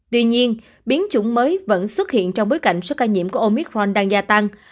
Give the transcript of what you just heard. tuy nhiên biến chủng mới vẫn xuất hiện trong bối cảnh số ca nhiễm của omicron đang gia tăng